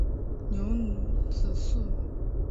牛乳子树